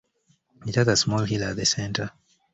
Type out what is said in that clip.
It has a small hill at the center.